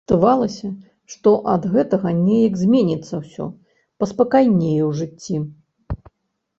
Здавалася, што ад гэтага неяк зменіцца ўсё, паспакайнее ў жыцці.